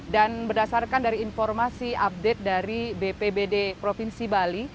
dan berdasarkan dari informasi update dari bp bd provinsi bali